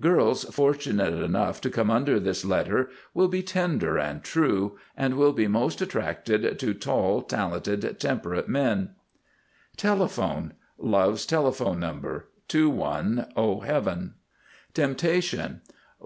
Girls fortunate enough to come under this letter will be Tender and True, and will be most attracted by Tall, Talented, Temperate men. TELEPHONE. Love's Telephone Number:—Two Won, O Heaven!! TEMPTATION.